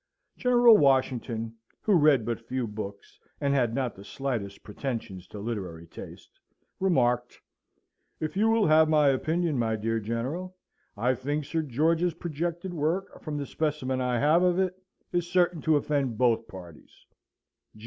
General Washington (who read but few books, and had not the slightest pretensions to literary taste) remarked, "If you will have my opinion, my dear General, I think Sir George's projected work, from the specimen I have of it, is certain to offend both parties."